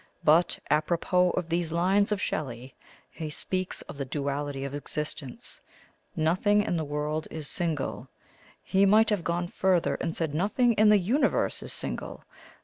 But apropos of these lines of Shelley. He speaks of the duality of existence. 'Nothing in the world is single.' He might have gone further, and said nothing in the universe is single.